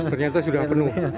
ternyata sudah penuh